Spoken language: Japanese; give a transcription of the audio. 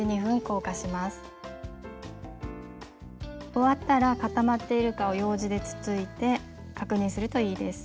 終わったら固まっているかをようじでつついて確認するといいです。